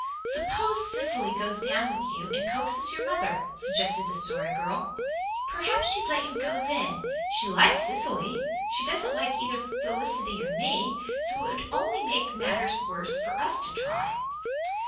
"Suppose Cecily goes down with you and coaxes your mother," suggested the Story Girl. "Perhaps she'd let you go then. She likes Cecily. She doesn't like either Felicity or me, so it would only make matters worse for us to try."